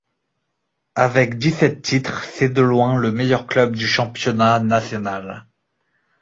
Avec dix-sept titres, c'est de loin le meilleur club du championnat national.